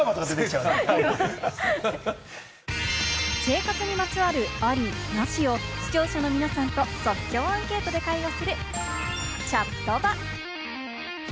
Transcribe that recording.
生活にまつわるあり・なしを視聴者の皆さんと即興アンケートで会話するチャットバ。